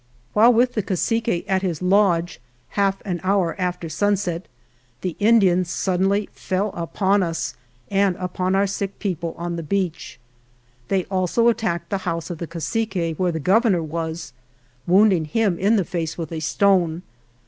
While with the cacique at his lodge, half an hour after sun set, the Indians suddenly fell upon us and upon our sick people on the beach. They also attacked the house of the cacique, where the Governor was, wounding him in the face with a stone.